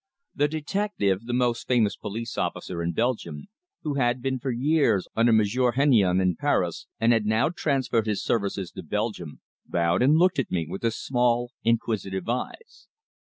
The detective, the most famous police officer in Belgium, who had been for years under Monsieur Hennion, in Paris, and had now transferred his services to Belgium, bowed and looked at me with his small, inquisitive eyes.